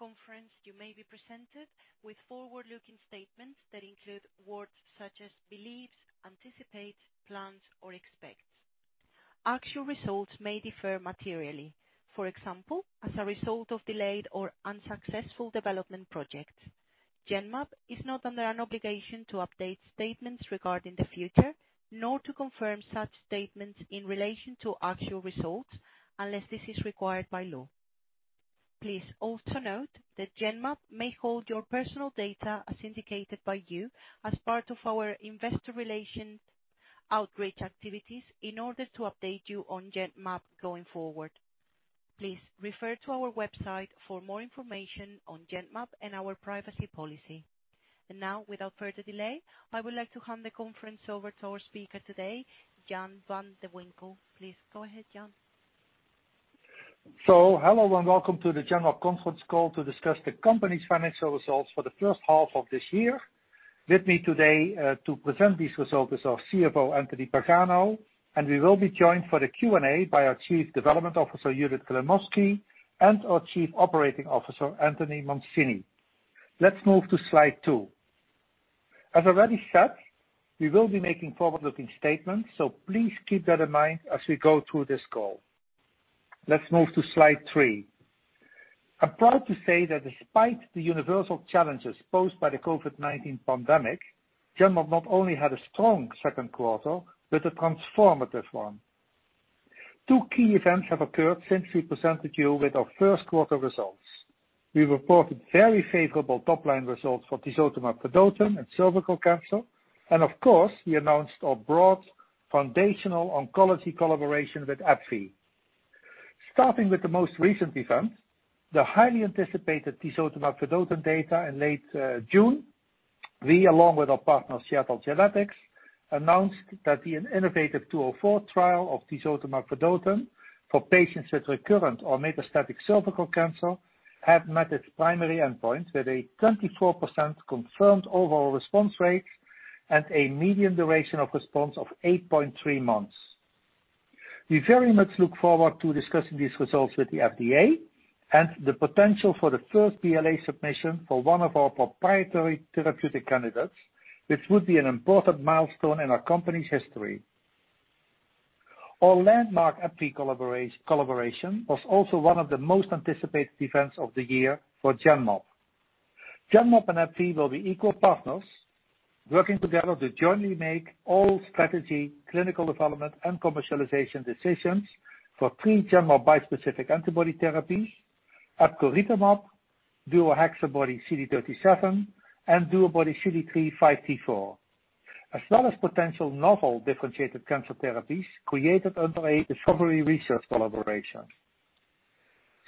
During this telephone conference, you may be presented with forward-looking statements that include words such as believes, anticipate, plans, or expects. Actual results may differ materially. For example, as a result of delayed or unsuccessful development projects. Genmab is not under an obligation to update statements regarding the future, nor to confirm such statements in relation to actual results, unless this is required by law. Please also note that Genmab may hold your personal data as indicated by you as part of our investor relation outreach activities in order to update you on Genmab going forward. Please refer to our website for more information on Genmab and our privacy policy. Now, without further delay, I would like to hand the conference over to our speaker today, Jan van de Winkel. Please go ahead, Jan. Hello and welcome to the Genmab conference call to discuss the company's financial results for the first half of this year. With me today to present these results is our CFO, Anthony Pagano, and we will be joined for the Q&A by our Chief Development Officer, Judith Klimovsky, and our Chief Operating Officer, Anthony Mancini. Let's move to slide two. As I already said, we will be making forward-looking statements, please keep that in mind as we go through this call. Let's move to slide three. I'm proud to say that despite the universal challenges posed by the COVID-19 pandemic, Genmab not only had a strong second quarter, but a transformative one. Two key events have occurred since we presented you with our first quarter results. We reported very favorable top-line results for tisotumab vedotin in cervical cancer. Of course, we announced our broad foundational oncology collaboration with AbbVie. Starting with the most recent event, the highly anticipated tisotumab vedotin data in late June, we along with our partner, Seattle Genetics, announced that the innovaTV 204 trial of tisotumab vedotin for patients with recurrent or metastatic cervical cancer had met its primary endpoint with a 24% confirmed overall response rate and a median duration of response of 8.3 months. We very much look forward to discussing these results with the FDA and the potential for the first BLA submission for one of our proprietary therapeutic candidates, which would be an important milestone in our company's history. Our landmark AbbVie collaboration was also one of the most anticipated events of the year for Genmab. Genmab and AbbVie will be equal partners, working together to jointly make all strategy, clinical development, and commercialization decisions for three Genmab bispecific antibody therapies, epcoritamab, DuoHexaBody-CD37, and DuoBody-CD3x5T4, as well as potential novel differentiated cancer therapies created under a discovery research collaboration.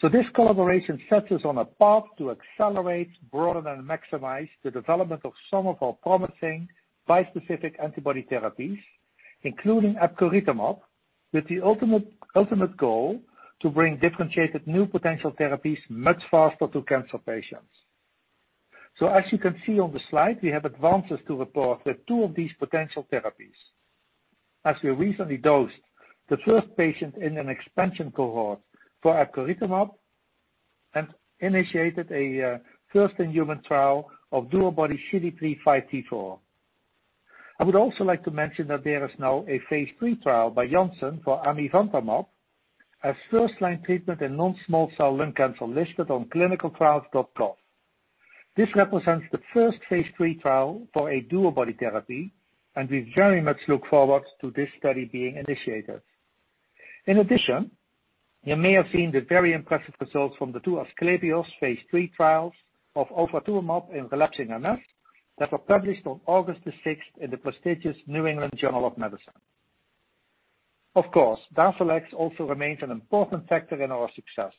This collaboration sets us on a path to accelerate, broaden, and maximize the development of some of our promising bispecific antibody therapies, including epcoritamab, with the ultimate goal to bring differentiated new potential therapies much faster to cancer patients. As you can see on the slide, we have advances to report with two of these potential therapies. As we recently dosed the first patient in an expansion cohort for epcoritamab and initiated a first-in-human trial of DuoBody-CD3x5T4. I would also like to mention that there is now a phase III trial by Janssen for amivantamab as first-line treatment in non-small cell lung cancer listed on clinicaltrials.gov. This represents the first phase III trial for a DuoBody therapy, and we very much look forward to this study being initiated. In addition, you may have seen the very impressive results from the two ASCLEPIOS phase III trials of ofatumumab in relapsing MS that were published on August 6 in the prestigious New England Journal of Medicine. Of course, DARZALEX also remains an important factor in our success.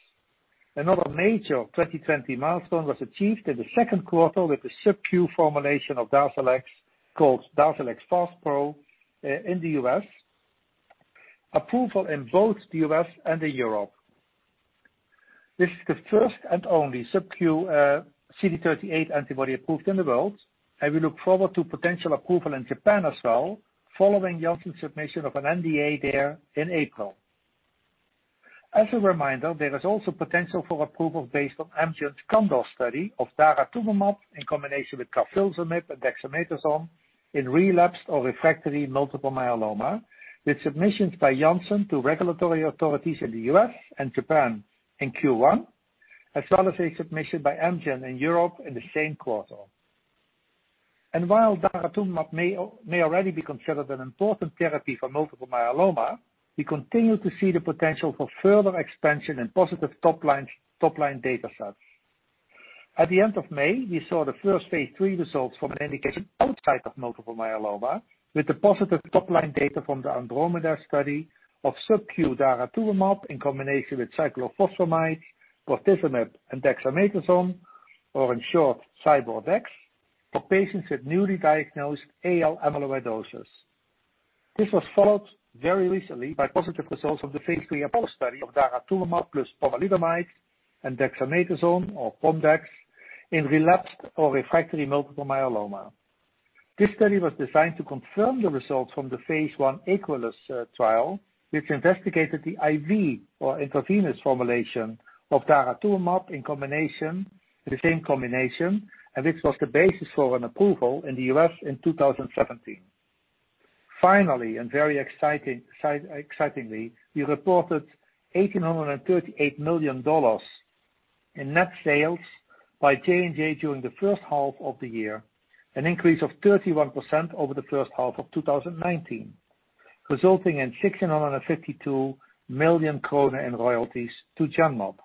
Another major 2020 milestone was achieved in the second quarter with the subcu formulation of DARZALEX, called DARZALEX FASPRO in the U.S., with approval in both the U.S. and Europe. This is the first and only subcu CD38 antibody approved in the world, and we look forward to potential approval in Japan as well, following Janssen's submission of an NDA there in April. As a reminder, there is also potential for approval based on Amgen's CANDOR study of daratumumab in combination with carfilzomib and dexamethasone in relapsed or refractory multiple myeloma, with submissions by Janssen to regulatory authorities in the U.S. and Japan in Q1, as well as a submission by Amgen in Europe in the same quarter. While daratumumab may already be considered an important therapy for multiple myeloma, we continue to see the potential for further expansion in positive top-line data sets. At the end of May, we saw the first phase III results from an indication outside of multiple myeloma, with the positive top-line data from the ANDROMEDA study of subQ daratumumab in combination with cyclophosphamide, bortezomib, and dexamethasone, or in short, CyBorDex, for patients with newly diagnosed AL amyloidosis. This was followed very recently by positive results of the phase III APOLLO study of daratumumab plus pomalidomide and dexamethasone or PomDex in relapsed or refractory multiple myeloma. This study was designed to confirm the results from the phase I EQUULEUS trial, which investigated the IV, or intravenous formulation of daratumumab in combination, the same combination, and this was the basis for an approval in the U.S. in 2017. Finally, very excitingly, we reported $1,838 million in net sales by J&J during the first half of the year, an increase of 31% over the first half of 2019, resulting in 1,652 million kroner in royalties to Genmab.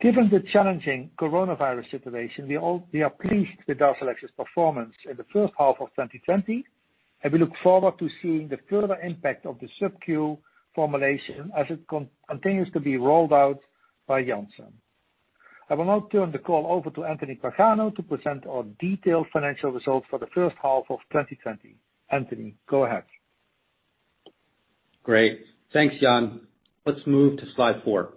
Given the challenging coronavirus situation, we are pleased with DARZALEX's performance in the first half of 2020, and we look forward to seeing the further impact of the subcu formulation as it continues to be rolled out by Janssen. I will now turn the call over to Anthony Pagano to present our detailed financial results for the first half of 2020. Anthony, go ahead. Great. Thanks, Jan. Let's move to slide four.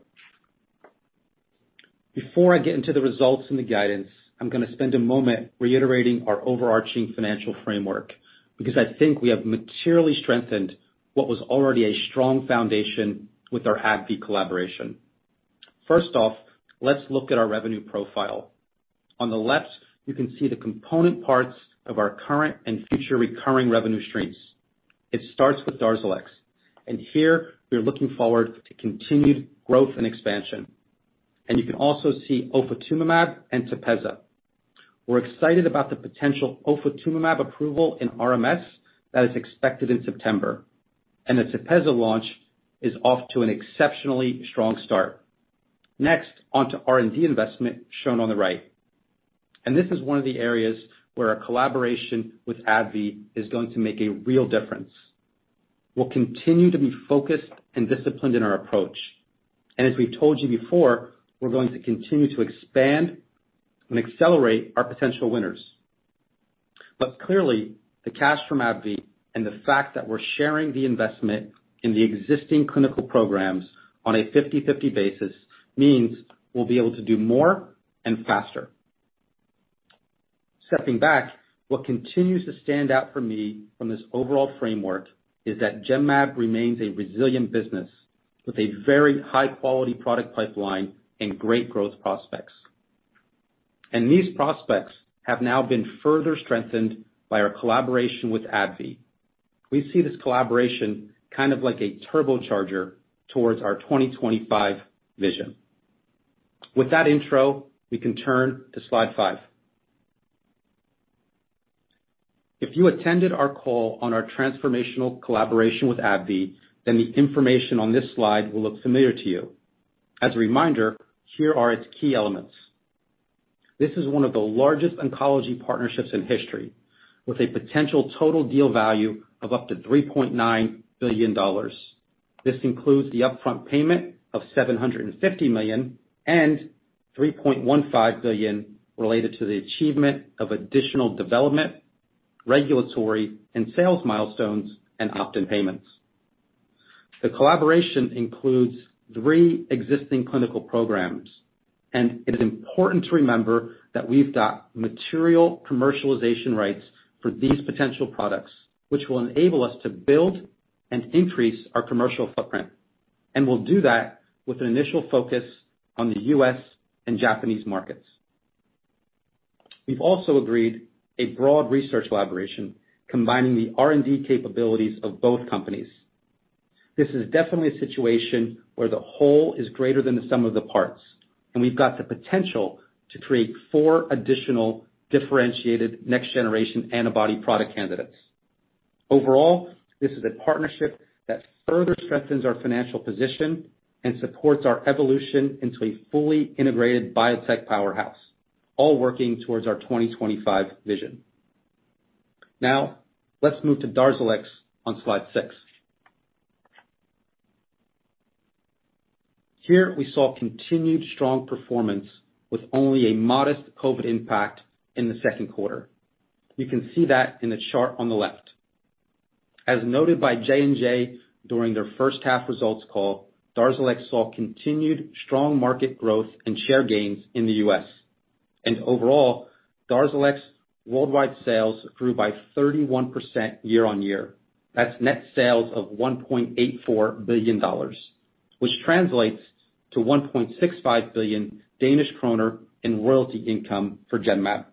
Before I get into the results and the guidance, I'm going to spend a moment reiterating our overarching financial framework, because I think we have materially strengthened what was already a strong foundation with our AbbVie collaboration. First off, let's look at our revenue profile. On the left, you can see the component parts of our current and future recurring revenue streams. It starts with Darzalex. Here we're looking forward to continued growth and expansion. You can also see ofatumumab and TEPEZZA. We're excited about the potential ofatumumab approval in RMS that is expected in September. The TEPEZZA launch is off to an exceptionally strong start. Next, onto R&D investment, shown on the right. This is one of the areas where our collaboration with AbbVie is going to make a real difference. We'll continue to be focused and disciplined in our approach. As we've told you before, we're going to continue to expand and accelerate our potential winners. Clearly, the cash from AbbVie and the fact that we're sharing the investment in the existing clinical programs on a 50/50 basis means we'll be able to do more and faster. Stepping back, what continues to stand out for me from this overall framework is that Genmab remains a resilient business with a very high-quality product pipeline and great growth prospects. These prospects have now been further strengthened by our collaboration with AbbVie. We see this collaboration kind of like a turbocharger towards our 2025 vision. With that intro, we can turn to slide five. If you attended our call on our transformational collaboration with AbbVie, then the information on this slide will look familiar to you. As a reminder, here are its key elements. This is one of the largest oncology partnerships in history, with a potential total deal value of up to $3.9 billion. This includes the upfront payment of $750 million and $3.15 billion related to the achievement of additional development, regulatory, and sales milestones and opt-in payments. The collaboration includes 3 existing clinical programs. It is important to remember that we've got material commercialization rights for these potential products, which will enable us to build and increase our commercial footprint. We'll do that with an initial focus on the U.S. and Japanese markets. We've also agreed a broad research collaboration combining the R&D capabilities of both companies. This is definitely a situation where the whole is greater than the sum of the parts. We've got the potential to create 4 additional differentiated next-generation antibody product candidates. Overall, this is a partnership that further strengthens our financial position and supports our evolution into a fully integrated biotech powerhouse, all working towards our 2025 vision. Now, let's move to DARZALEX on slide six. Here, we saw continued strong performance with only a modest COVID impact in the second quarter. You can see that in the chart on the left. As noted by J&J during their first half results call, DARZALEX saw continued strong market growth and share gains in the U.S. Overall, DARZALEX worldwide sales grew by 31% year-over-year. That's net sales of $1.84 billion, which translates to 1.65 billion Danish kroner in royalty income for Genmab.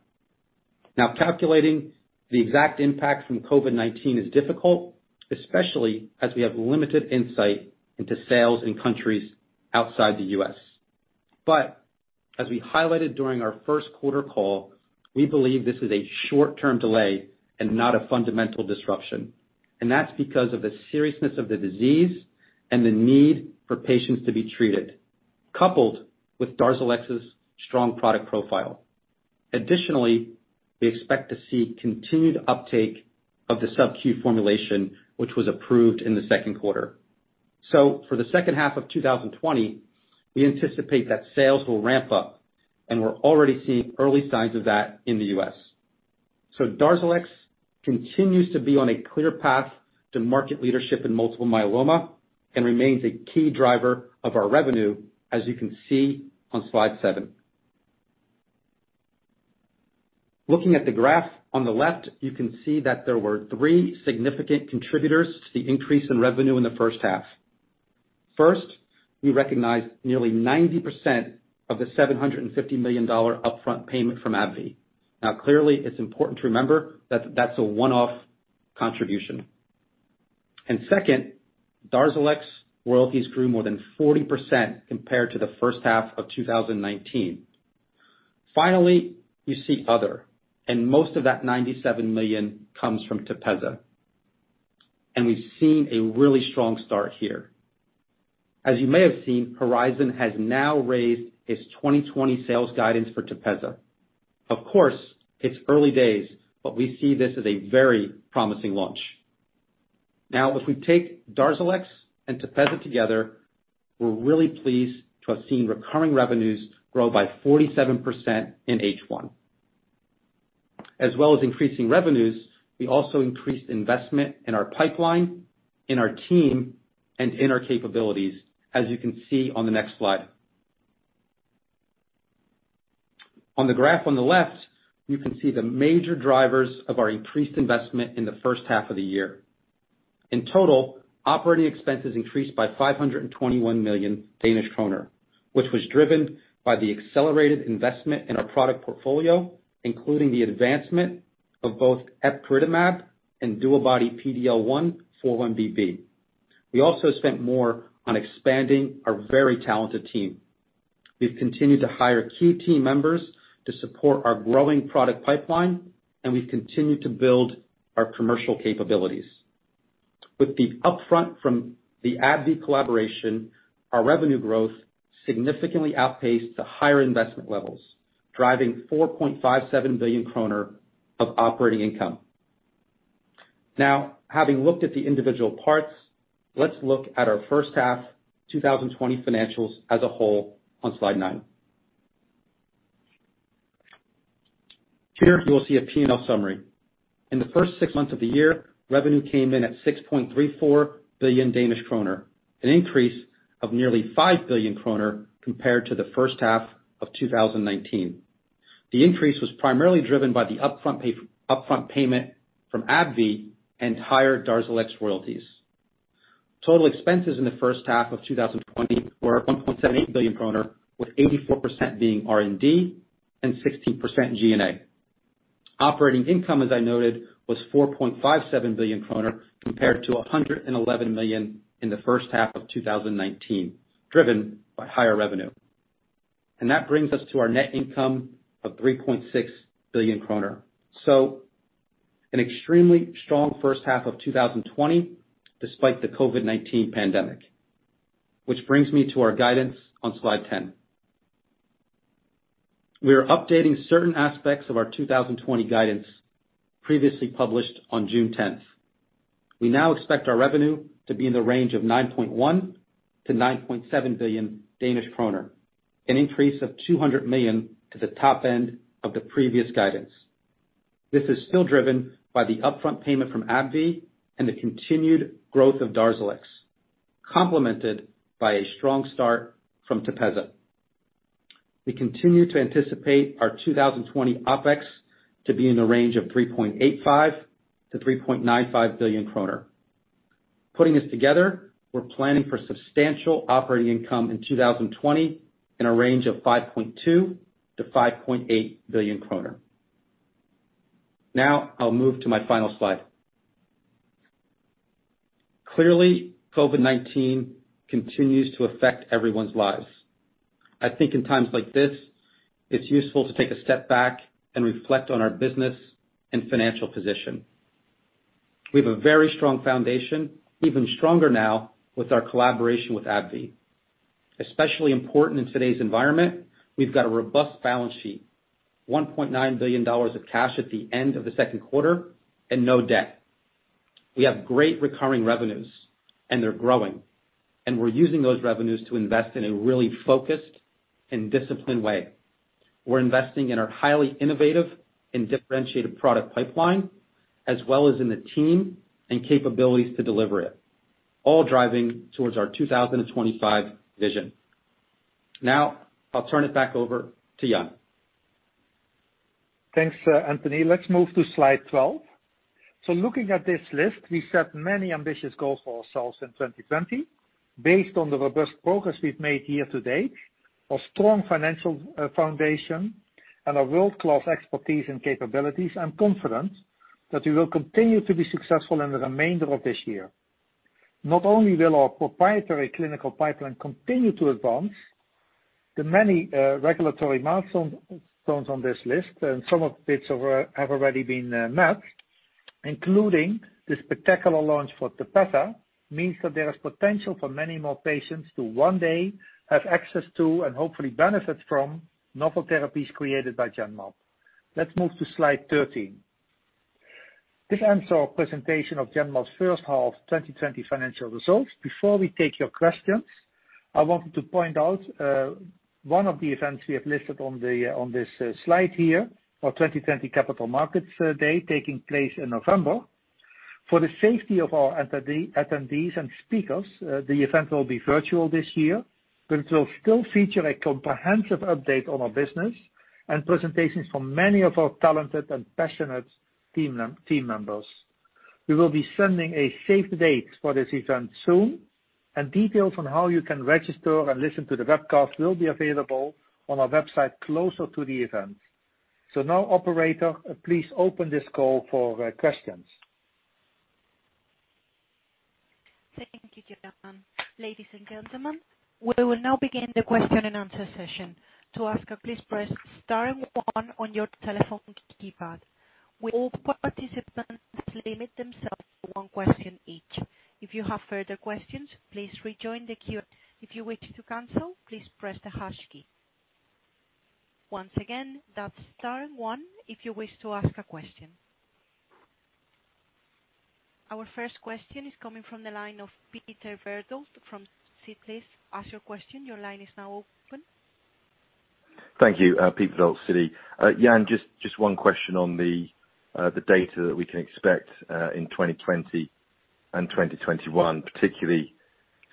Now, calculating the exact impact from COVID-19 is difficult, especially as we have limited insight into sales in countries outside the U.S. As we highlighted during our first quarter call, we believe this is a short-term delay and not a fundamental disruption, and that's because of the seriousness of the disease and the need for patients to be treated, coupled with DARZALEX's strong product profile. Additionally, we expect to see continued uptake of the subcu formulation which was approved in the second quarter. For the second half of 2020, we anticipate that sales will ramp up, and we're already seeing early signs of that in the U.S. DARZALEX continues to be on a clear path to market leadership in multiple myeloma. Remains a key driver of our revenue, as you can see on slide seven. Looking at the graph on the left, you can see that there were three significant contributors to the increase in revenue in the first half. First, we recognized nearly 90% of the $750 million upfront payment from AbbVie. Clearly, it's important to remember that that's a one-off contribution. Second, DARZALEX royalties grew more than 40% compared to the first half of 2019. Finally, you see other, and most of that $97 million comes from TEPEZZA. We've seen a really strong start here. As you may have seen, Horizon has now raised its 2020 sales guidance for TEPEZZA. Of course, it's early days, but we see this as a very promising launch. If we take DARZALEX and TEPEZZA together, we're really pleased to have seen recurring revenues grow by 47% in H1. As well as increasing revenues, we also increased investment in our pipeline, in our team, and in our capabilities, as you can see on the next slide. On the graph on the left, you can see the major drivers of our increased investment in the first half of the year. In total, OpEx increased by 521 million Danish kroner, which was driven by the accelerated investment in our product portfolio, including the advancement of both epcoritamab and DuoBody-PD-L1x4-1BB. We also spent more on expanding our very talented team. We've continued to hire key team members to support our growing product pipeline, we've continued to build our commercial capabilities. With the upfront from the AbbVie collaboration, our revenue growth significantly outpaced the higher investment levels, driving 4.57 billion kroner of operating income. Having looked at the individual parts, let's look at our first half 2020 financials as a whole on slide nine. Here you will see a P&L summary. In the first six months of the year, revenue came in at 6.34 billion Danish kroner, an increase of nearly 5 billion kroner compared to the first half of 2019. The increase was primarily driven by the upfront payment from AbbVie and higher Darzalex royalties. Total expenses in the first half of 2020 were 1.78 billion kroner, with 84% being R&D and 16% G&A. Operating income, as I noted, was 4.57 billion kroner compared to 111 million in the first half of 2019, driven by higher revenue. That brings us to our net income of 3.6 billion kroner. An extremely strong first half of 2020 despite the COVID-19 pandemic. Which brings me to our guidance on slide 10. We are updating certain aspects of our 2020 guidance previously published on June 10th. We now expect our revenue to be in the range of 9.1 billion-9.7 billion Danish kroner, an increase of 200 million to the top end of the previous guidance. This is still driven by the upfront payment from AbbVie and the continued growth of DARZALEX, complemented by a strong start from TEPEZZA. We continue to anticipate our 2020 OpEx to be in the range of 3.85 billion to 3.95 billion kroner. Putting this together, we are planning for substantial operating income in 2020 in a range of 5.2 billion to 5.8 billion kroner. I will move to my final slide. Clearly, COVID-19 continues to affect everyone's lives. I think in times like this, it is useful to take a step back and reflect on our business and financial position. We have a very strong foundation, even stronger now with our collaboration with AbbVie. Especially important in today's environment, we've got a robust balance sheet, DKK 1.9 billion of cash at the end of the second quarter, and no debt. We have great recurring revenues, and they're growing, and we're using those revenues to invest in a really focused and disciplined way. We're investing in our highly innovative and differentiated product pipeline, as well as in the team and capabilities to deliver it, all driving towards our 2025 vision. Now I'll turn it back over to Jan. Thanks, Anthony. Let's move to slide 12. Looking at this list, we set many ambitious goals for ourselves in 2020. Based on the robust progress we've made here to date, our strong financial foundation, and our world-class expertise and capabilities, I'm confident that we will continue to be successful in the remainder of this year. Not only will our proprietary clinical pipeline continue to advance, the many regulatory milestones on this list, and some of bits have already been met, including the spectacular launch for TEPEZZA, means that there is potential for many more patients to one day have access to, and hopefully benefit from, novel therapies created by Genmab. Let's move to slide 13. This ends our presentation of Genmab's first half 2020 financial results. Before we take your questions, I wanted to point out one of the events we have listed on this slide here, our 2020 Capital Markets Day, taking place in November. For the safety of our attendees and speakers, the event will be virtual this year, but it will still feature a comprehensive update on our business and presentations from many of our talented and passionate team members. We will be sending a save-the-date for this event soon, and details on how you can register and listen to the webcast will be available on our website closer to the event. Now, operator, please open this call for questions. Thank you, Jan. Ladies and gentlemen, we will now begin the question and answer session. To ask, please press star one on your telephone keypad. Will all participants limit themselves to one question each. If you have further questions, please rejoin the queue. If you wish to cancel, please press the hash key. Once again, that's star one if you wish to ask a question. Our first question is coming from the line of Peter Verdult from Citi. Please ask your question. Your line is now open. Thank you. Peter Verdult, Citi. Jan, just one question on the data that we can expect in 2020 and 2021, particularly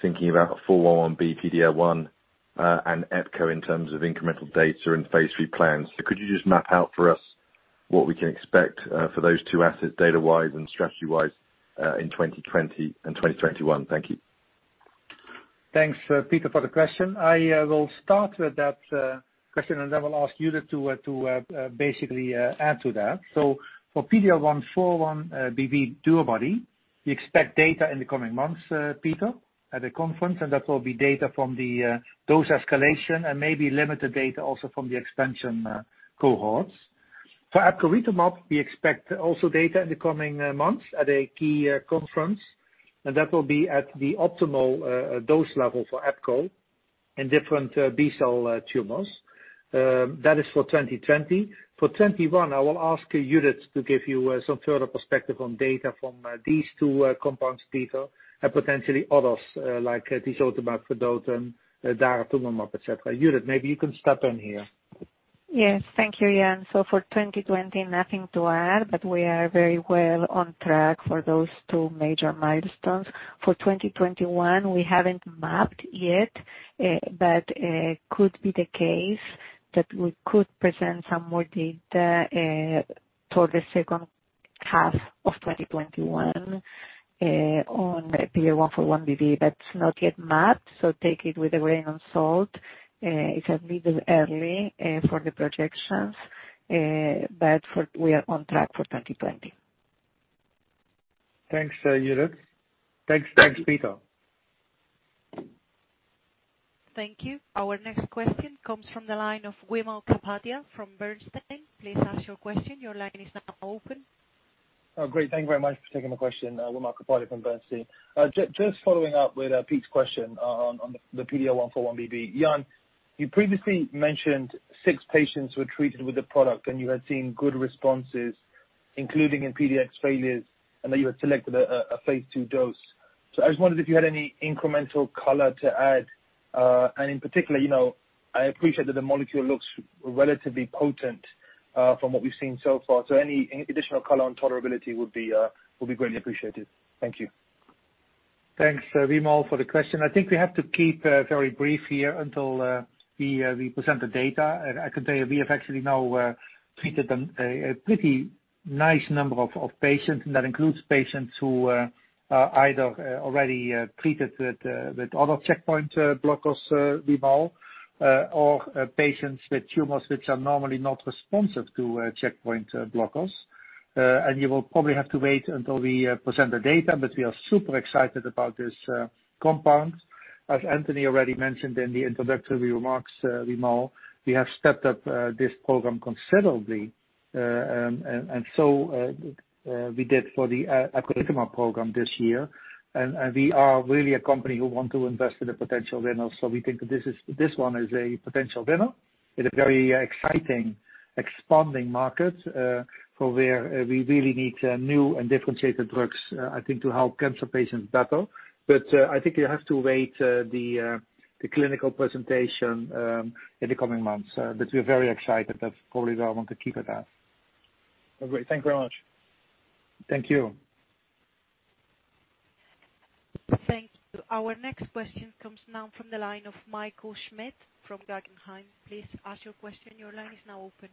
thinking about 41BB, PD-L1, and EPCO in terms of incremental data and phase III plans. Could you just map out for us what we can expect for those two assets data-wise and strategy-wise, in 2020 and 2021? Thank you. Thanks, Peter, for the question. I will start with that question. Then we'll ask Judith to basically add to that. For DuoBody-PD-L1x4-1BB, we expect data in the coming months, Peter, at a conference. That will be data from the dose escalation and maybe limited data also from the expansion cohorts. For epcoritamab, we expect also data in the coming months at a key conference. That will be at the optimal dose level for EPCO in different B-cell tumors. That is for 2020. For 2021, I will ask Judith to give you some further perspective on data from these two compounds, Peter, and potentially others, like tisotumab vedotin, daratumumab, et cetera. Judith, maybe you can start on here. Yes. Thank you, Jan. For 2020, nothing to add, but we are very well on track for those two major milestones. For 2021, we haven't mapped yet, but could be the case that we could present some more data toward the second half of 2021 on PD-L1 41BB. That's not yet mapped, so take it with a grain of salt. It's a little early for the projections, but we are on track for 2020. Thanks, Judith. Thanks, Peter. Thank you. Our next question comes from the line of Wimal Kapadia from Bernstein. Please ask your question. Your line is now open. Oh, great. Thank you very much for taking my question. Wimal Kapadia from Bernstein. Just following up with Pete's question on the PD-L1 41BB. Jan, you previously mentioned six patients were treated with the product and you had seen good responses, including in PDX failures, and that you had selected a phase II dose. I just wondered if you had any incremental color to add. In particular, I appreciate that the molecule looks relatively potent from what we've seen so far. Any additional color on tolerability would be greatly appreciated. Thank you. Thanks, Wimal, for the question. I think we have to keep very brief here until we present the data. I could tell you we have actually now treated a pretty nice number of patients, and that includes patients who are either already treated with other checkpoint blockers, Wimal, or patients with tumors which are normally not responsive to checkpoint blockers. You will probably have to wait until we present the data. We are super excited about this compound. As Anthony already mentioned in the introductory remarks, Wimal, we have stepped up this program considerably. We did for the epcoritamab program this year. We are really a company who want to invest in the potential winners. We think that this one is a potential winner in a very exciting, expanding market, where we really need new and differentiated drugs, I think, to help cancer patients better. I think you have to await the clinical presentation in the coming months. We're very excited. That's probably why I want to keep it there. Oh, great. Thank you very much. Thank you. Thank you. Our next question comes now from the line of Michael Schmidt from Guggenheim. Please ask your question. Your line is now open.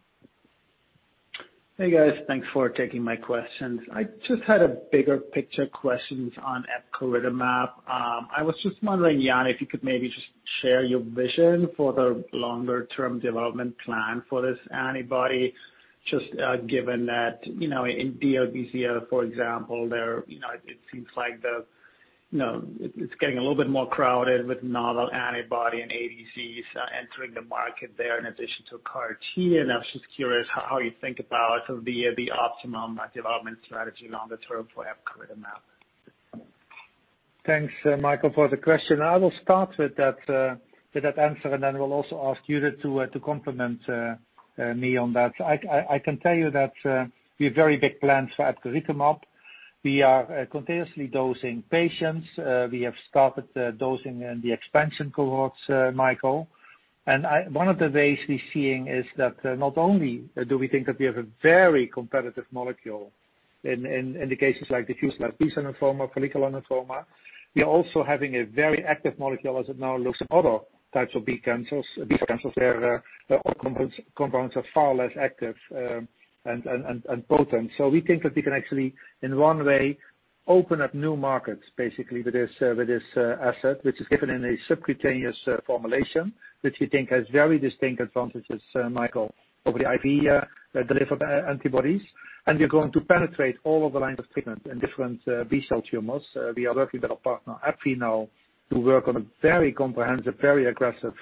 Hey, guys. Thanks for taking my questions. I just had a bigger picture questions on epcoritamab. I was just wondering, Jan, if you could maybe just share your vision for the longer-term development plan for this antibody, just given that in DLBCL, for example, it seems like it's getting a little bit more crowded with novel antibody and ADCs entering the market there in addition to CAR T. I was just curious how you think about the optimum development strategy longer term for epcoritamab. Thanks, Michael, for the question. I will start with that answer and then will also ask Judith to complement me on that. I can tell you that we have very big plans for epcoritamab. We are continuously dosing patients. We have started dosing in the expansion cohorts, Michael. One of the ways we're seeing is that not only do we think that we have a very competitive molecule in indications like diffuse large B-cell lymphoma, follicular lymphoma, we are also having a very active molecule as it now looks at other types of B cancers, where all compounds are far less active and potent. We think that we can actually, in one way, open up new markets, basically, with this asset, which is given in a subcutaneous formulation, which we think has very distinct advantages, Michael, over the IV-delivered antibodies. We're going to penetrate all of the lines of treatment in different B-cell tumors. We are working with our partner, AbbVie, now, to work on a very comprehensive, very aggressive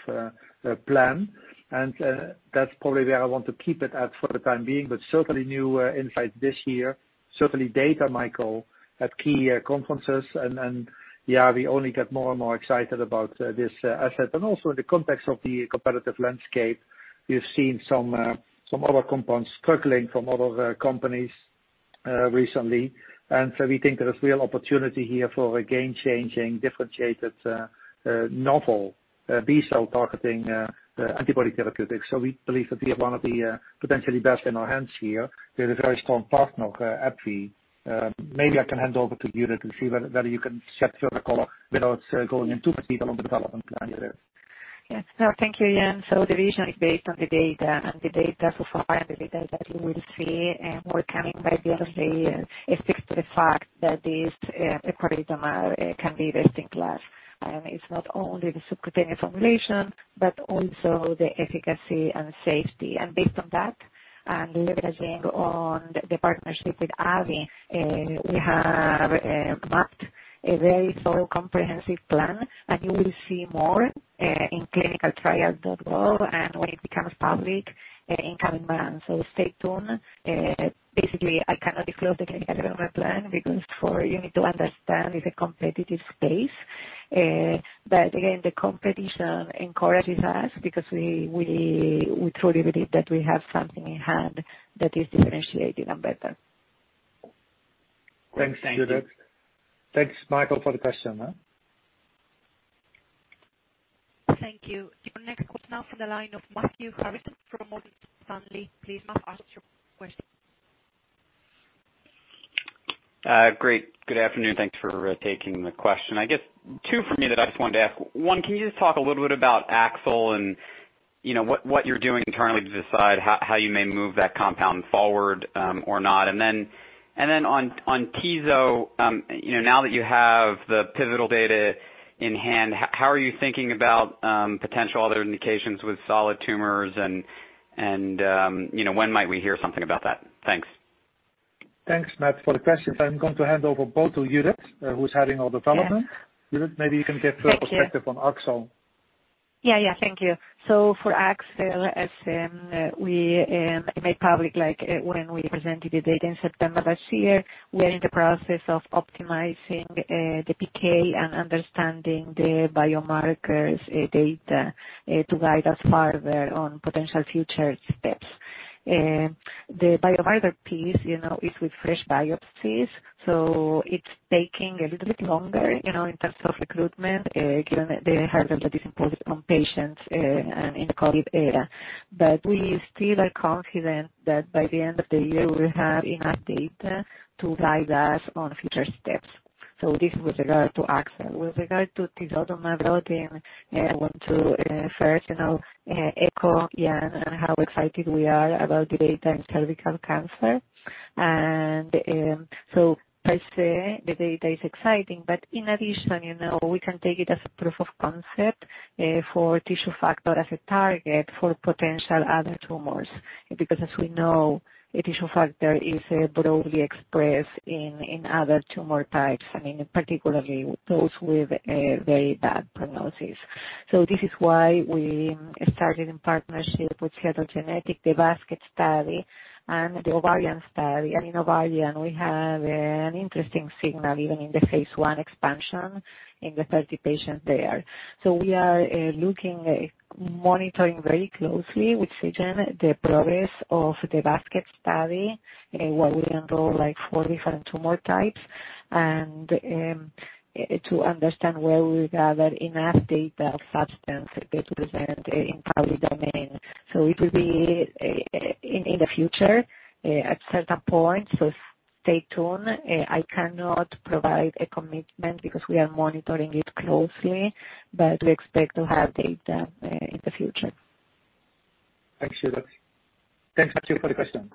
plan. That's probably where I want to keep it at for the time being, but certainly new insight this year, certainly data, Michael, at key conferences. We only get more and more excited about this asset. Also in the context of the competitive landscape, we've seen some other compounds struggling from other companies recently. We think there's real opportunity here for a game-changing, differentiated, novel B-cell targeting antibody therapeutic. We believe that we have one of the potentially best in our hands here, with a very strong partner of AbbVie. Maybe I can hand over to Judith to see whether you can shed further color without going into much detail on the development plan. Yes. No, thank you, Jan. The vision is based on the data, and the data so far, and the data that you will see, and we're coming back, obviously, speaks to the fact that this epcoritamab can be best-in-class. It's not only the subcutaneous formulation, but also the efficacy and safety. Based on that, and leveraging on the partnership with AbbVie, we have mapped a very thorough, comprehensive plan, and you will see more in clinicaltrials.gov and when it becomes public in coming months. Stay tuned. Basically, I cannot disclose the clinical development plan because you need to understand it's a competitive space. Again, the competition encourages us because we truly believe that we have something in hand that is differentiating and better. Thanks, Judith. Thanks, Michael, for the question. Thank you. Your next call is now from the line of Matthew Harrison from Morgan Stanley. Please now ask your question. Great. Good afternoon. Thanks for taking the question. I guess two from me that I just wanted to ask. One, can you just talk a little bit about HexaBody-CD38 and what you're doing internally to decide how you may move that compound forward or not? Then on tiso, now that you have the pivotal data in hand, how are you thinking about potential other indications with solid tumors, and when might we hear something about that? Thanks. Thanks, Matt, for the questions. I'm going to hand over both to Judith, who's heading all development. Yes. Judith, maybe you can give your perspective on HexaBody-CD38? Yeah. Thank you. For AXL, as we made public when we presented the data in September last year, we're in the process of optimizing the PK and understanding the biomarkers data to guide us further on potential future steps. The biomarker piece is with fresh biopsies, so it's taking a little bit longer in terms of recruitment, given the burden that is imposed on patients in the COVID era. We still are confident that by the end of the year, we'll have enough data to guide us on future steps. This is with regard to AXL. With regard to tisotumab vedotin, I want to first echo Jan on how excited we are about the data in cervical cancer. First, the data is exciting, but in addition, we can take it as a proof of concept for tissue factor as a target for potential other tumors. As we know, a tissue factor is broadly expressed in other tumor types, and in particularly those with a very bad prognosis. This is why we started in partnership with Seagen, the Basket study and the Ovarian study. In Ovarian, we have an interesting signal even in the phase I expansion in the 30 patients there. We are looking, monitoring very closely with Seagen, the progress of the Basket study, where we enroll like 40 different tumor types, and to understand where we gather enough data of substance to get to present in public domain. It will be in the future at certain point. Stay tuned. I cannot provide a commitment because we are monitoring it closely, but we expect to have data in the future. Thanks, Judith. Thanks, Matthew, for the question.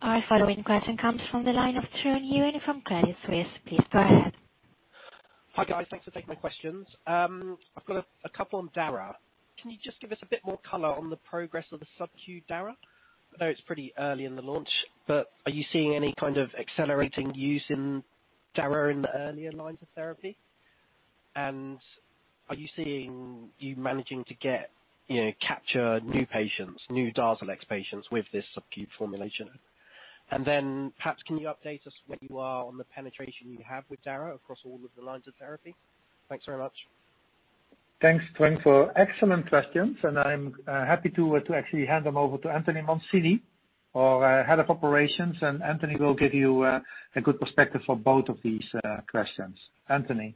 Our following question comes from the line of Trung Huynh from Credit Suisse. Please go ahead. Hi, guys. Thanks for taking my questions. I've got a couple on Dara. Can you just give us a bit more color on the progress of the subQ Dara? I know it's pretty early in the launch, but are you seeing any kind of accelerating use in Dara in the earlier lines of therapy? Are you seeing you managing to capture new patients, new DARZALEX patients, with this subQ formulation? Perhaps can you update us where you are on the penetration you have with Dara across all of the lines of therapy? Thanks very much. Thanks, Trung, for excellent questions. I'm happy to actually hand them over to Anthony Mancini, our Head of Operations. Anthony will give you a good perspective for both of these questions. Anthony.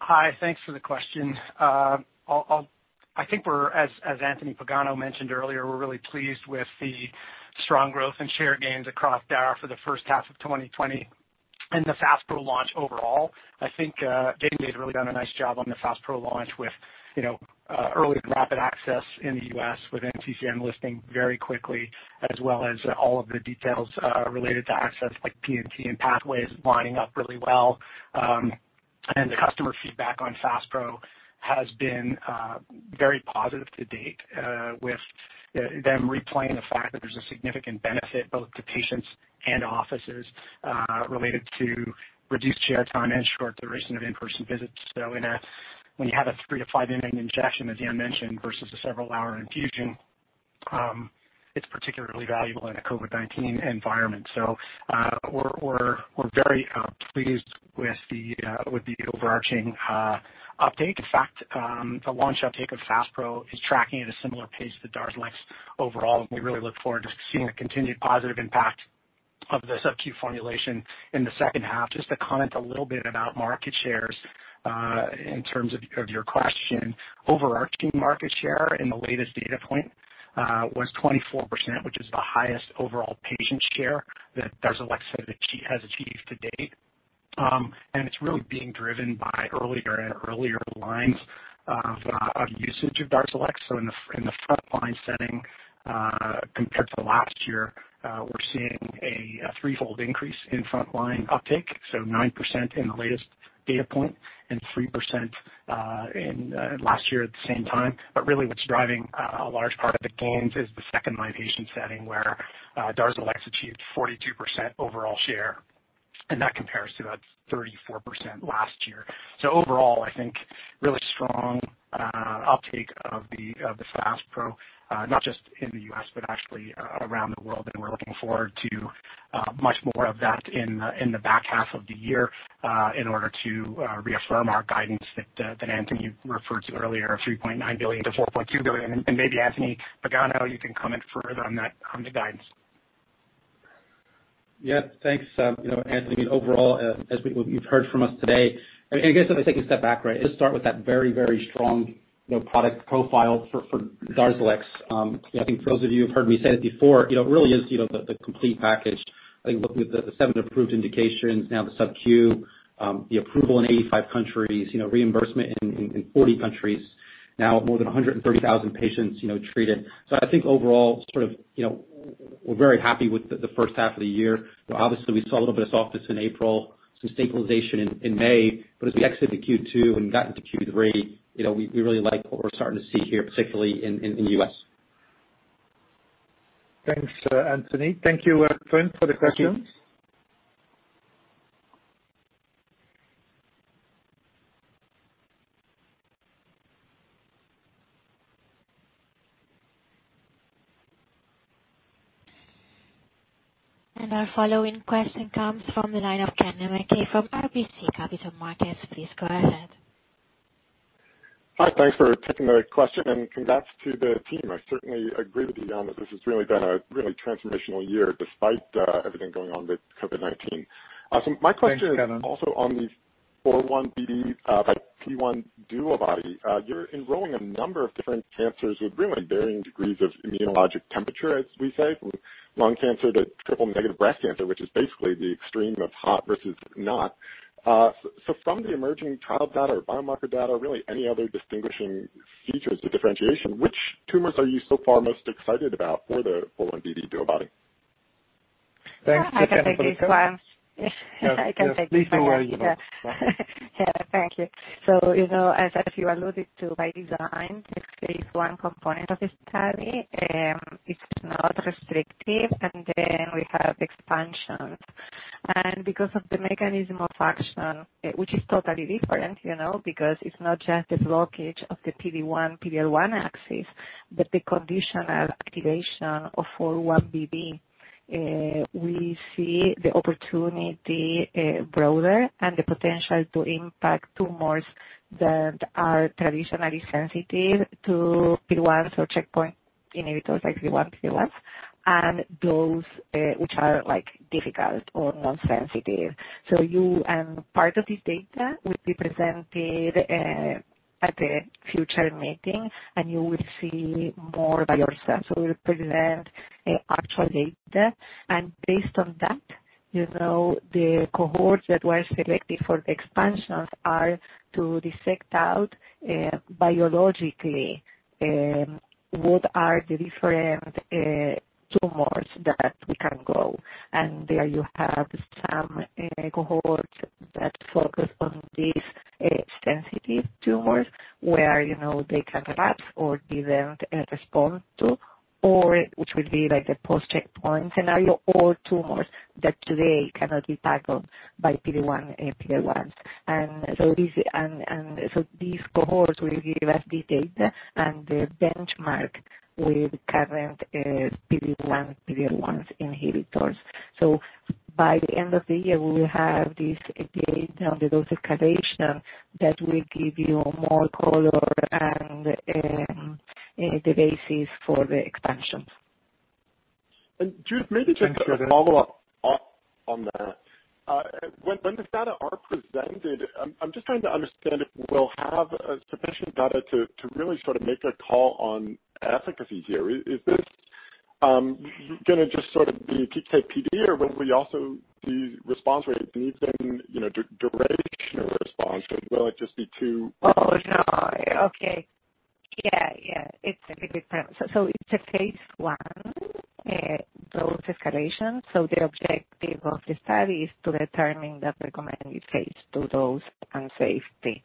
Hi. Thanks for the question. I think we're, as Anthony Pagano mentioned earlier, we're really pleased with the strong growth and share gains across Dara for the first half of 2020 and the FASPRO launch overall. Janssen has really done a nice job on the FASPRO launch with early rapid access in the U.S. with NCCN listing very quickly as well as all of the details, related to access like P&T and pathways lining up really well. The customer feedback on FASPRO has been very positive to date, with them replaying the fact that there's a significant benefit both to patients and offices, related to reduced chair time and short duration of in-person visits. When you have a three-to-five-minute injection, as Jan mentioned, versus a several-hour infusion, it's particularly valuable in a COVID-19 environment. We're very pleased with the overarching update. In fact, the launch uptake of DARZALEX FASPRO is tracking at a similar pace to DARZALEX overall. We really look forward to seeing the continued positive impact of the subcu formulation in the second half. Just to comment a little bit about market shares, in terms of your question. Overarching market share in the latest data point was 24%, which is the highest overall patient share that DARZALEX has achieved to date. It's really being driven by earlier and earlier lines of usage of DARZALEX. In the frontline setting, compared to last year, we're seeing a threefold increase in frontline uptake, so 9% in the latest data point and 3% in last year at the same time. Really what's driving a large part of the gains is the second-line patient setting where DARZALEX achieved 42% overall share, and that compares to that 34% last year. Overall, I think really strong uptake of the FASPRO, not just in the U.S. but actually around the world. We're looking forward to much more of that in the back half of the year, in order to reaffirm our guidance that Anthony referred to earlier, of $3.9 billion-$4.2 billion. Maybe Anthony, you can comment further on the guidance. Yeah. Thanks. Anthony, overall, as you've heard from us today, I guess if I take a step back, right, let's start with that very, very strong product profile for DARZALEX. I think for those of you who've heard me say it before, it really is the complete package. I think looking at the 7 approved indications, now the subQ, the approval in 85 countries, reimbursement in 40 countries, now more than 130,000 patients treated. I think overall, we're very happy with the first half of the year. Obviously, we saw a little bit of softness in April, some stabilization in May, as we exit the Q2 and got into Q3, we really like what we're starting to see here, particularly in the U.S. Thanks, Anthony. Thank you, Trung, for the questions. Our following question comes from the line of Kennen MacKay from RBC Capital Markets. Please go ahead. Hi. Thanks for taking the question and congrats to the team. I certainly agree with Jan that this has really been a really transformational year despite everything going on with COVID-19. Thanks, Kennen. My question is also on the 41BB, that phase I DuoBody. You're enrolling a number of different cancers with really varying degrees of immunologic temperature, as we say, from lung cancer to triple-negative breast cancer, which is basically the extreme of hot versus not. From the emerging trial data or biomarker data, really any other distinguishing features or differentiation, which tumors are you so far most excited about for the 41BB DuoBody? Thanks. I can take this one. Yes. Please do, Judith. Yeah. Thank you. As you alluded to, by design, phase I component of the study, it's not restrictive. We have expansion. Because of the mechanism of action, which is totally different, because it's not just the blockage of the PD-1, PD-L1 axis, but the conditional activation of 41BB, we see the opportunity broader and the potential to impact tumors that are traditionally sensitive to PD-1. Checkpoint inhibitors like PD-1, PD-Ls, and those which are difficult or nonsensitive. Part of this data will be presented at a future meeting, and you will see more by yourself. We'll present actual data, and based on that, the cohorts that were selected for the expansions are to dissect out biologically, what are the different tumors that we can go. There you have some cohorts that focus on these sensitive tumors where they can relapse or didn't respond to, or which will be like the post-checkpoint scenario or tumors that today cannot be tackled by PD-1 and PD-L1. These cohorts will give us this data and the benchmark with current PD-1, PD-L1 inhibitors. By the end of the year, we will have this data on the dose escalation that will give you more color and the basis for the expansion. Judith. Thanks, Judith. A follow-up on that. When these data are presented, I'm just trying to understand if we'll have sufficient data to really make a call on efficacy here. Is this going to just be PK/PD, or will we also see response rates and even durational response rates? Oh, no. Okay. Yeah. It's a good point. It's a phase I dose escalation, so the objective of the study is to determine the recommended phase II dose and safety.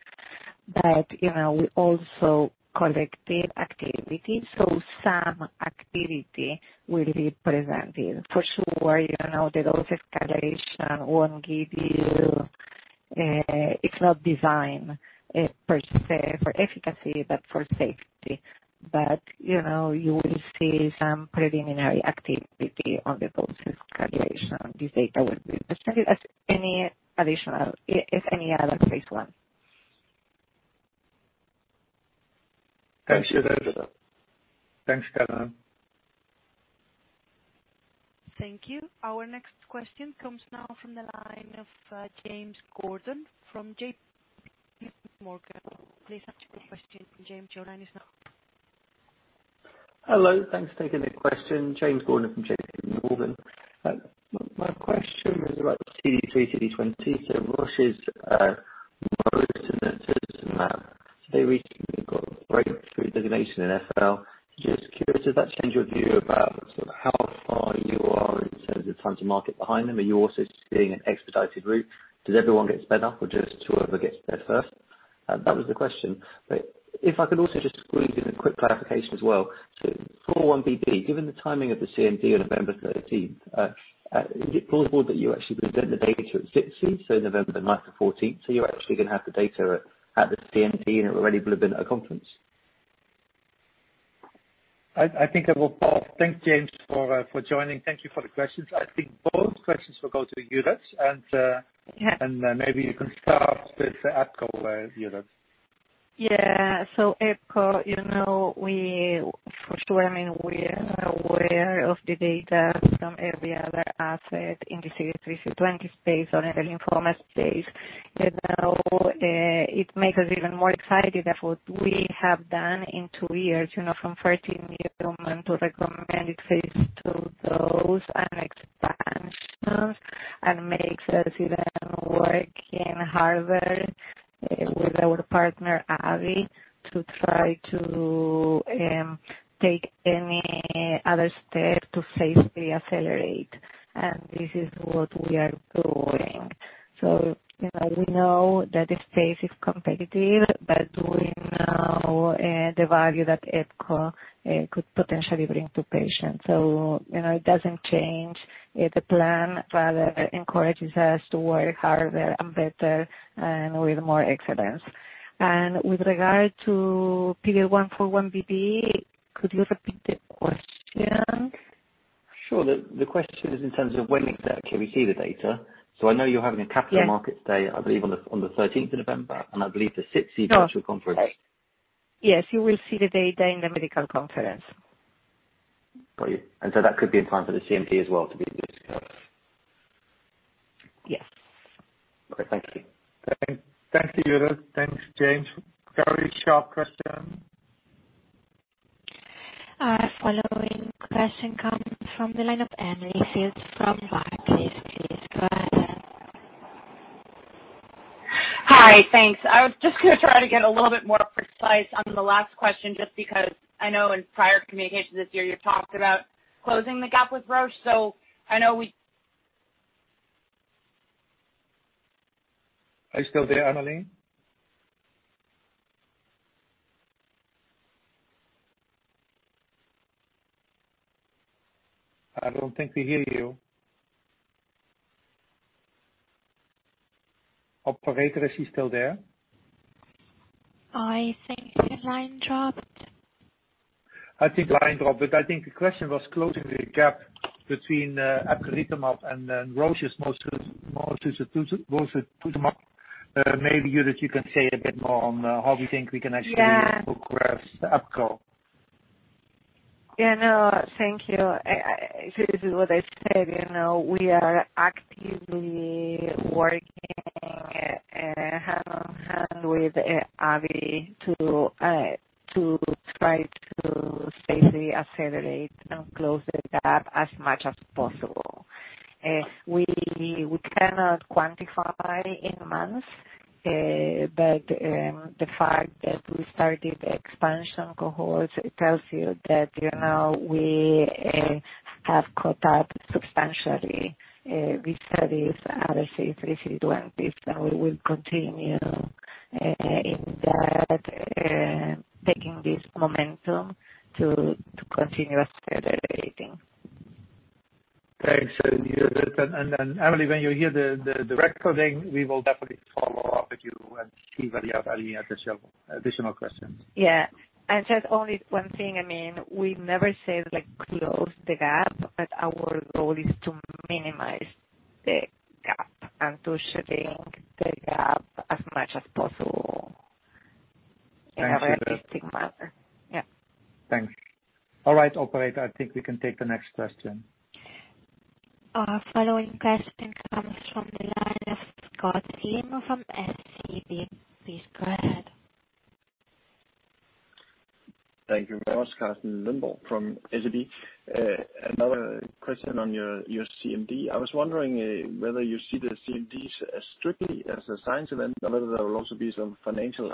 We also collected activity, so some activity will be presented. For sure, the dose escalation, it's not designed per se for efficacy, but for safety. You will see some preliminary activity on the dose escalation. This data will be presented as any other phase I. Thanks, Judith. Thanks, Judith. Thank you. Our next question comes now from the line of James Gordon from JPMorgan. Please ask your question, James. Your line is now open. Hello. Thanks for taking the question. James Gordon from JPMorgan. My question was about CD3, CD20, Roche's mosunetuzumab. They recently got a breakthrough designation in FL. Just curious, does that change your view about how far you are in terms of time to market behind them? Are you also seeing an expedited route? Does everyone get sped up or just whoever gets there first? That was the question. If I could also just squeeze in a quick clarification as well. For 41BB, given the timing of the CMD on November 13th, is it plausible that you actually present the data at SITC, November 9th to 14th? You're actually going to have the data at the CMD, and it'll already blow up in a conference? I think. Thanks, James, for joining. Thank you for the questions. I think both questions will go to Judith. Yeah. Maybe you can start with the epcoritamab, Judith. Yeah. epcoritamab, for sure, we are aware of the data from every other asset in the CD3, CD20 space or the lymphoma space. It makes us even more excited of what we have done in two years, from 13 new to recommended phase II dose, and expansions, makes us even work harder with our partner, AbbVie, to try to take any other step to safely accelerate. This is what we are doing. We know that the space is competitive, we know the value that epcoritamab could potentially bring to patients. It doesn't change the plan. Rather, encourages us to work harder and better and with more excellence. With regard to PD-1 for 41BB, could you repeat the question? Sure. The question is in terms of when exactly we see the data. I know you're having a Capital Markets- Yeah. Day, I believe, on the 13th of November, and I believe the SITC virtual conference. No. Yes, you will see the data in the medical conference. Got you. That could be in time for the CMP as well to be discussed. Yes. Okay. Thank you. Thank you, Judith. Thanks, James. Very sharp question. Our following question comes from the line of Emily Field from Barclays. Please go ahead. Hi. Thanks. I was just going to try to get a little bit more precise on the last question, just because I know in prior communications this year, you talked about closing the gap with Roche. I know we- Are you still there, Emily? I don't think we hear you. Operator, is she still there? I think her line dropped. I think line dropped. I think the question was closing the gap between epcoritamab and Roche's mosunetuzumab. Judith, you can say a bit more on how we think we can actually- Yeah. -progress epcoritamab. No, thank you. This is what I said. We are actively working hand in hand with AbbVie to try to safely accelerate and close the gap as much as possible. We cannot quantify in months, but the fact that we started the expansion cohorts tells you that we have caught up substantially. We studied other CD3, CD20s, and we will continue in that, taking this momentum to continue accelerating. Thanks, Judith. Then Emily, when you hear the recording, we will definitely follow up with you and see whether you have additional questions. Yeah. Just only one thing. We never said close the gap, but our goal is to minimize the gap and to shutting the gap as much as possible in a realistic manner. Thanks. All right, operator, I think we can take the next question. Our following question comes from the line of Carsten from SEB. Please go ahead. Thank you very much. Carsten Lønborg from SEB. Another question on your CMD. I was wondering whether you see the CMDs as strictly as a science event, or whether there will also be some financial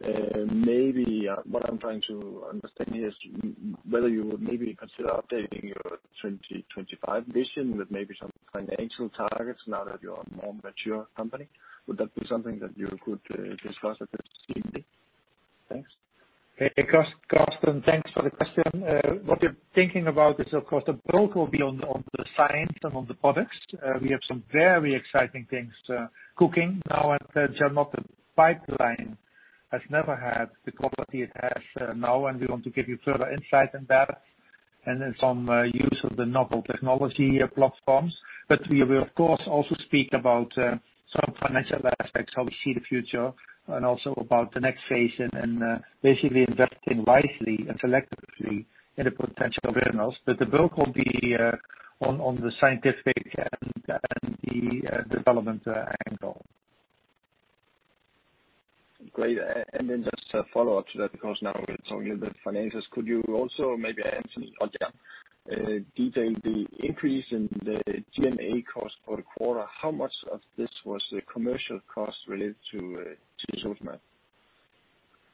outlook. What I'm trying to understand here is whether you would maybe consider updating your 2025 vision with maybe some financial targets now that you're a more mature company. Would that be something that you could discuss at this CMD? Thanks. Hey, Carsten. Thanks for the question. What we're thinking about is, of course, the bulk will be on the science and on the products. We have some very exciting things cooking now at Genmab. The pipeline has never had the quality it has now, and we want to give you further insight in that and in some use of the novel technology platforms. We will, of course, also speak about some financial aspects, how we see the future, and also about the next phase and basically investing wisely and selectively in the potential winners. The bulk will be on the scientific and the development angle. Great. Just a follow-up to that, because now we're talking a bit finances. Could you also, maybe Anthony Mancini or Judith Klimovsky, detail the increase in the G&A cost for the quarter? How much of this was the commercial cost related to ASR?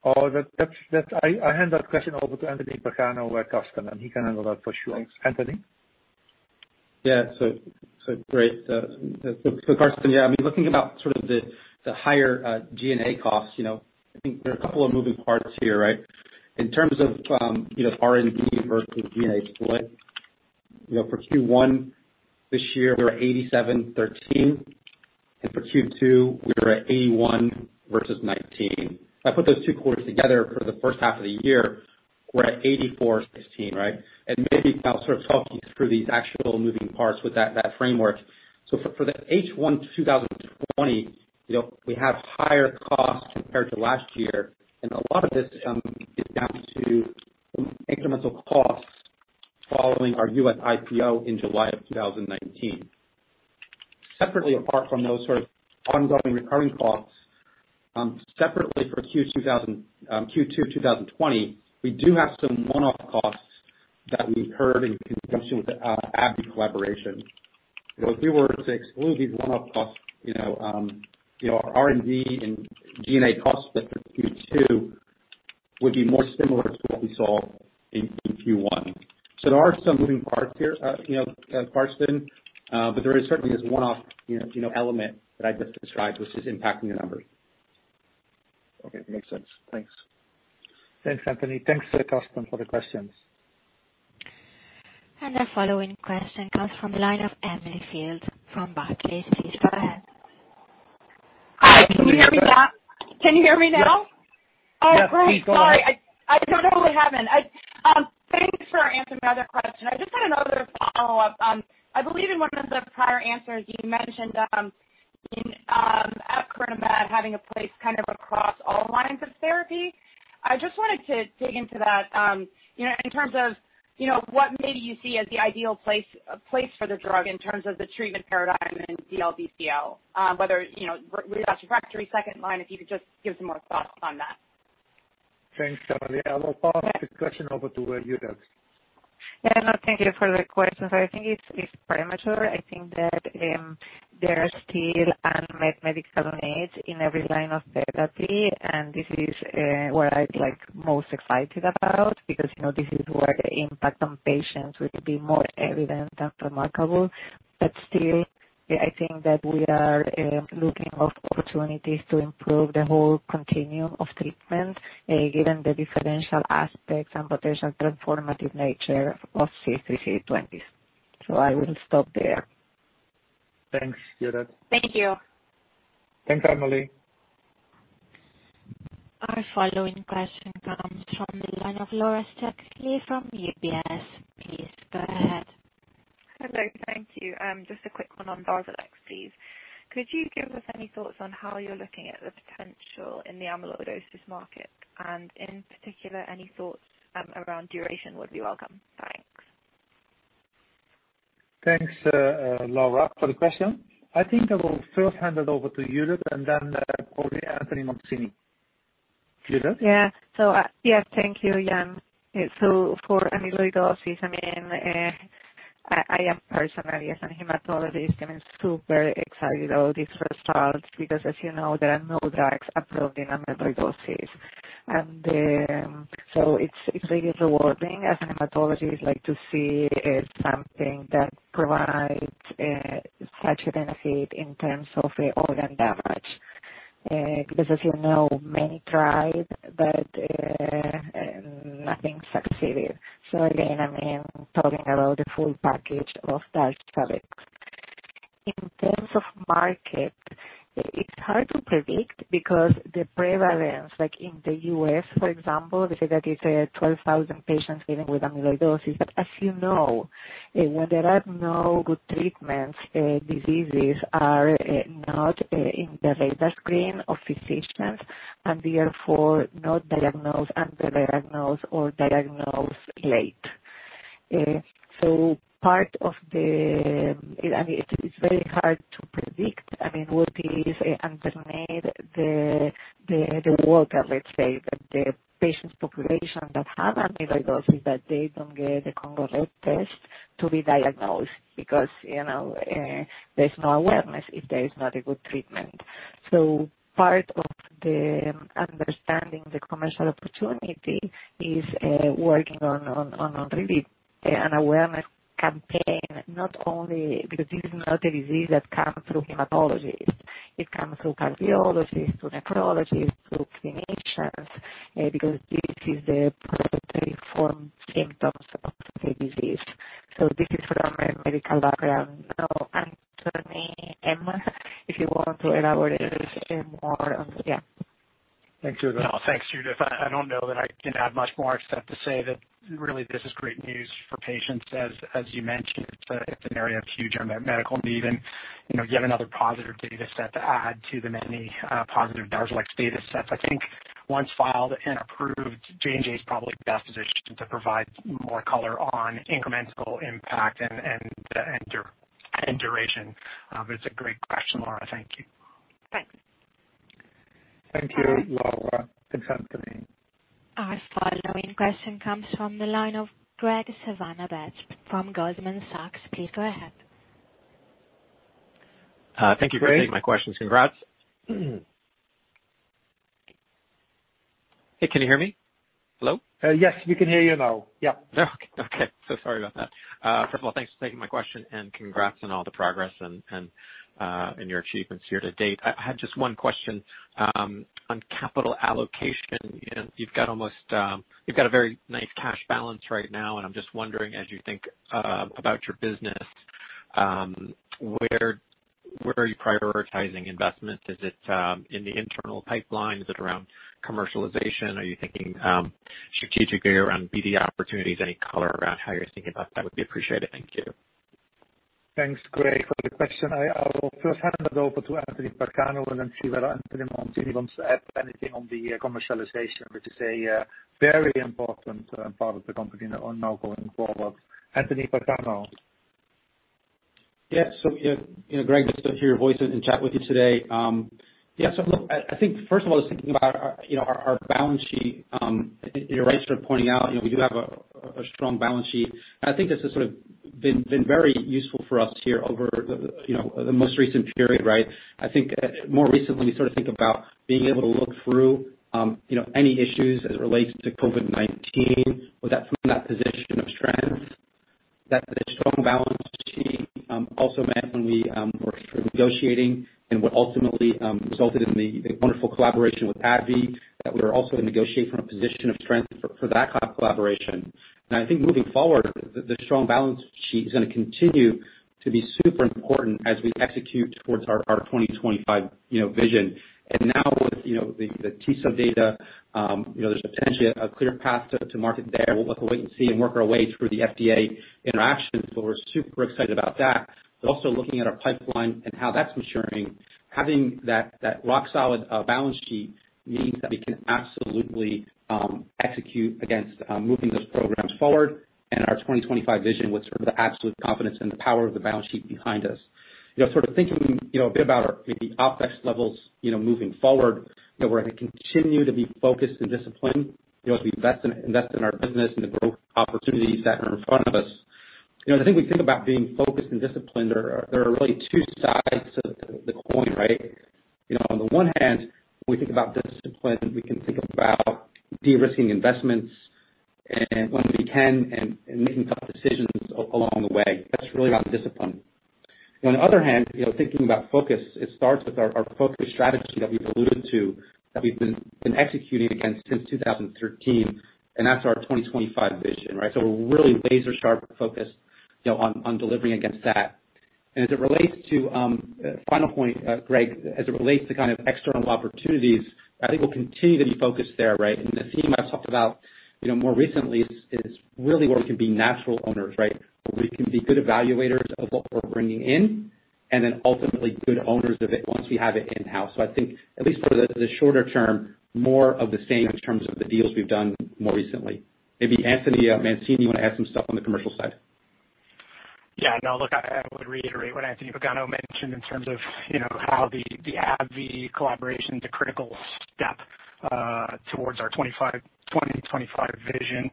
I hand that question over to Anthony Pagano, our CFO, and he can handle that for sure. Anthony? Great. Carsten, looking about sort of the higher G&A costs, I think there are a couple of moving parts here, right? In terms of R&D versus G&A split, for Q1 this year, we're 87, 13, and for Q2, we're at 81 versus 19. If I put those two quarters together for the first half of the year, we're at 84, 16, right? Maybe I'll sort of talk you through these actual moving parts with that framework. For the H1 2020, we have higher costs compared to last year, and a lot of this is down to incremental costs following our U.S. IPO in July of 2019. Separately, apart from those sort of ongoing recurring costs, separately for Q2 2020, we do have some one-off costs that we incurred in conjunction with the AbbVie collaboration. If we were to exclude these one-off costs, our R&D and G&A costs for Q2 would be more similar to what we saw in Q1. There are some moving parts here, Carsten, but there is certainly this one-off element that I just described, which is impacting the numbers. Okay, makes sense. Thanks. Thanks, Anthony. Thanks, Carsten, for the questions. Our following question comes from the line of Emily Field from Barclays. Please go ahead. Hi, can you hear me now? Yeah. Great. Sorry. I don't know what happened. Thanks for answering my other question. I just had another follow-up. I believe in one of the prior answers you mentioned, at epcoritamab, having a place kind of across all lines of therapy. I just wanted to dig into that, in terms of what maybe you see as the ideal place for the drug in terms of the treatment paradigm in DLBCL, whether relapsed/refractory 2nd line, if you could just give some more thoughts on that. Thanks, Emily. I will pass the question over to Judith. Yeah, no, thank you for the question. I think it's premature. I think that there are still unmet medical needs in every line of therapy, and this is what I'm most excited about because this is where the impact on patients will be more evident and remarkable. Still, I think that we are looking for opportunities to improve the whole continuum of treatment, given the differential aspects and potential transformative nature of CD3xCD20. I will stop there. Thanks, Judith. Thank you. Thanks, Emily. Our following question comes from the line of Laura Sutcliffe from UBS. Please go ahead. Hello. Thank you. Just a quick one on DARZALEX, please. Could you give us any thoughts on how you're looking at the potential in the amyloidosis market, and in particular, any thoughts around duration would be welcome. Thanks. Thanks, Laura, for the question. I think I will first hand it over to Judith and then probably Anthony Mancini. Judith? Yeah. Thank you, Jan. For amyloidosis, I am personally, as a hematologist, super excited about these results because as you know, there are no drugs approved in amyloidosis. It's really rewarding as a hematologist to see something that provides such a benefit in terms of organ damage. As you know, many tried, but nothing succeeded. Again, I'm talking about the full package of DARZALEX. In terms of market. It's hard to predict because the prevalence, like in the U.S., for example, they say that it's 12,000 patients living with amyloidosis. As you know, when there are no good treatments, diseases are not in the radar screen of physicians and therefore not diagnosed, under-diagnosed, or diagnosed late. It's very hard to predict. What is underneath the work, let's say, the patient population that have amyloidosis, that they don't get a Congo red test to be diagnosed because there's no awareness if there is not a good treatment. Part of understanding the commercial opportunity is working on really an awareness campaign, not only because this is not a disease that comes through hematologists. It comes through cardiologists, through nephrologists, through clinicians, because this is the prototype for symptoms of the disease. This is from a medical background. Now, Anthony, if you want to elaborate more on, yeah. Thanks, Judith. No, thanks, Judith. I don't know that I can add much more except to say that really this is great news for patients. As you mentioned, it's an area of huge medical need and yet another positive data set to add to the many positive DARZALEX data sets. I think once filed and approved, J&J is probably best positioned to provide more color on incremental impact and duration. It's a great question, Laura. Thank you. Thanks. Thank you, Laura. The next one. Our following question comes from the line of Graig Suvannavejh from Goldman Sachs. Please go ahead. Thank you for taking my question. Congrats. Hey, can you hear me? Hello? Yes, we can hear you now. Yep. Okay. Sorry about that. First of all, thanks for taking my question and congrats on all the progress and your achievements here to date. I had just one question on capital allocation. You've got a very nice cash balance right now. I'm just wondering, as you think about your business, where are you prioritizing investments? Is it in the internal pipeline? Is it around commercialization? Are you thinking strategically around BD opportunities? Any color around how you're thinking about that would be appreciated. Thank you. Thanks, Graig, for the question. I will first hand it over to Anthony Pagano and then see whether Anthony wants to add anything on the commercialization, which is a very important part of the company now going forward. Anthony Pagano. Yeah. Graig, good to hear your voice and chat with you today. Look, I think first of all, I was thinking about our balance sheet. You're right for pointing out we do have a strong balance sheet. I think this has sort of been very useful for us here over the most recent period, right? I think more recently, we sort of think about being able to look through any issues as it relates to COVID-19 from that position of strength. That the strong balance sheet also meant when we were negotiating and what ultimately resulted in the wonderful collaboration with AbbVie, that we were also able to negotiate from a position of strength for that collaboration. I think moving forward, the strong balance sheet is going to continue to be super important as we execute towards our 2025 vision. Now with the Tiso data, there's potentially a clear path to market there. We'll have to wait and see and work our way through the FDA interactions, but we're super excited about that. Also looking at our pipeline and how that's maturing. Having that rock-solid balance sheet means that we can absolutely execute against moving those programs forward and our 2025 vision with sort of the absolute confidence and the power of the balance sheet behind us. Thinking a bit about our maybe OpEx levels moving forward, we're going to continue to be focused and disciplined as we invest in our business and the growth opportunities that are in front of us. I think we think about being focused and disciplined. There are really two sides to the coin, right? On the one hand, when we think about discipline, we can think about de-risking investments and when we can, and making tough decisions along the way. That's really around discipline. On the other hand, thinking about focus, it starts with our focus strategy that we've alluded to, that we've been executing against since 2013, and that's our 2025 vision, right? We're really laser-sharp focused on delivering against that. Final point, Graig, as it relates to kind of external opportunities, I think we'll continue to be focused there, right? The theme I've talked about more recently is really where we can be natural owners, right? Where we can be good evaluators of what we're bringing in and then ultimately good owners of it once we have it in-house. I think at least for the shorter term, more of the same in terms of the deals we've done more recently. Maybe Anthony, you want to add some stuff on the commercial side? Yeah, no, look, I would reiterate what Anthony Pagano mentioned in terms of how the AbbVie collaboration is a critical step towards our 2025 vision.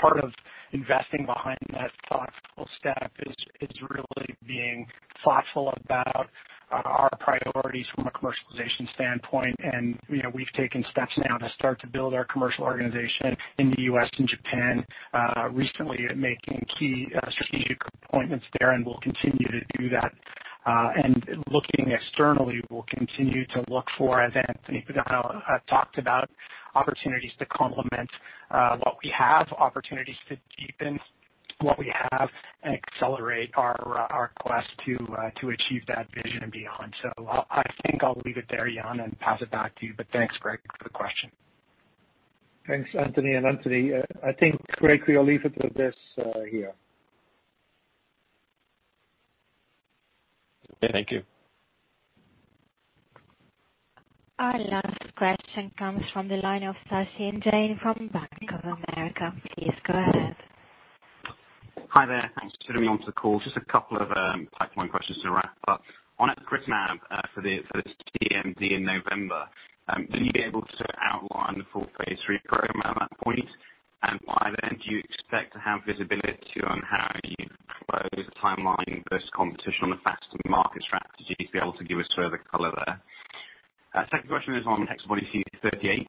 Part of investing behind that thoughtful step is really being thoughtful about our priorities from a commercialization standpoint. We've taken steps now to start to build our commercial organization in the U.S. and Japan, recently making key strategic appointments there, and we'll continue to do that. Looking externally, we'll continue to look for, as Anthony Pagano talked about, opportunities to complement what we have, opportunities to deepen what we have and accelerate our quest to achieve that vision and beyond. I think I'll leave it there, Jan, and pass it back to you. Thanks, Graig, for the question. Thanks, Anthony. Anthony, I think, Graig, we'll leave it with this here. Okay, thank you. Our last question comes from the line of Sachin Jain from Bank of America. Please go ahead. Hi there. Hi. Thanks for putting me onto the call. Just a couple of pipeline questions to wrap up. On epcoritamab for the CMP in November, will you be able to outline the full phase III program at that point? By then, do you expect to have visibility on how you propose the timeline versus competition on a faster market strategy to be able to give us further color there? Second question is on HexaBody-CD38.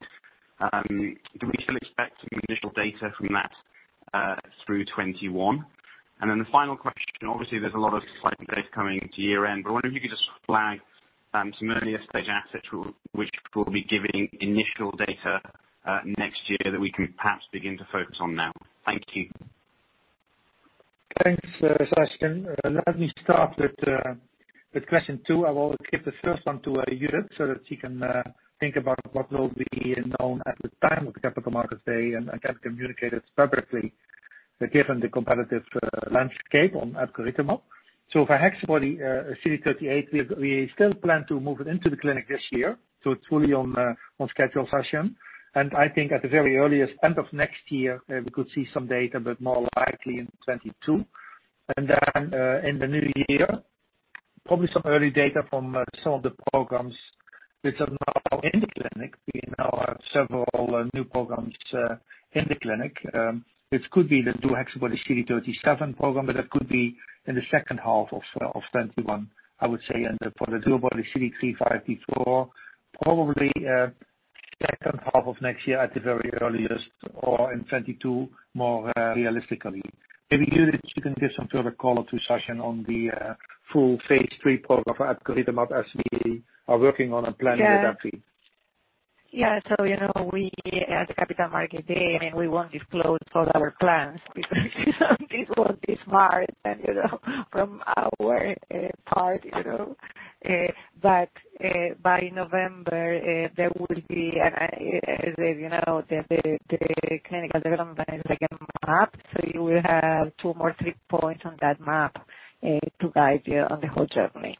Do we still expect some initial data from that through 2021? The final question, obviously there's a lot of exciting data coming to year-end, but I wonder if you could just flag some earlier-stage assets which will be giving initial data next year that we can perhaps begin to focus on now. Thank you. Thanks, Sachin. Let me start with question two. I will give the first one to Judith so that she can think about what will be known at the time of Capital Markets Day and can communicate it separately, given the competitive landscape on adcetrisumab. For HexaBody-CD38, we still plan to move it into the clinic this year, so it's fully on schedule, Sachin. I think at the very earliest, end of next year, we could see some data, but more likely in 2022. In the new year, probably some early data from some of the programs which are now in the clinic. We now have several new programs in the clinic. It could be the DuoHexaBody-CD37 program, but that could be in the second half of 2021, I would say. For the DuoBody-CD3x5T4, probably second half of next year at the very earliest, or in 2022 more realistically. Maybe, Judith, you can give some further color to Sachin on the full phase III program for tisotumab vedotin as we are working on a plan with that field. At Capital Market Day, we won't disclose all our plans because it won't be smart from our part. By November there will be the clinical development map. You will have two more tick points on that map to guide you on the whole journey.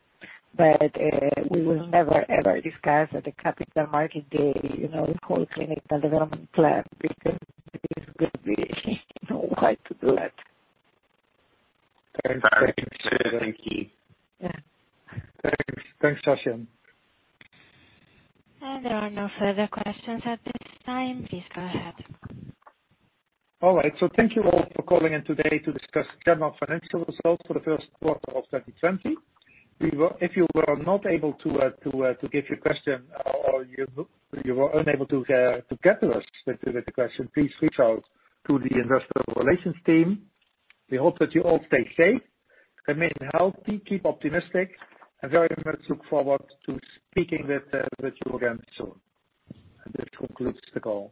We will never, ever discuss at the Capital Market Day the whole clinical development plan because there's no way to do that. Thanks. Thanks, Sachin. There are no further questions at this time. Please go ahead. All right. Thank you all for calling in today to discuss Genmab financial results for the first half of 2020. If you were not able to get your question or you were unable to get to us with the question, please reach out to the investor relations team. We hope that you all stay safe, remain healthy, keep optimistic, and very much look forward to speaking with you again soon. This concludes the call.